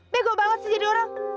bego banget jadi orang